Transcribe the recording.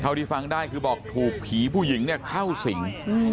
ที่ฟังได้คือบอกถูกผีผู้หญิงเนี่ยเข้าสิง